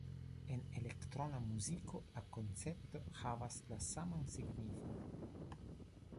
En elektrona muziko la koncepto havas la saman signifon.